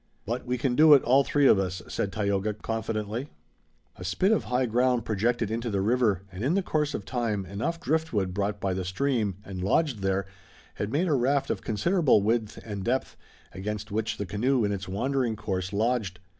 "But we can do it, all three of us," said Tayoga, confidently. A spit of high ground projected into the river and in the course of time enough driftwood brought by the stream and lodged there had made a raft of considerable width and depth, against which the canoe in its wandering course lodged.